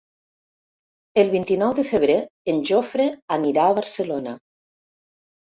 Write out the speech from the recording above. El vint-i-nou de febrer en Jofre anirà a Barcelona.